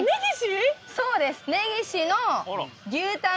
そうです。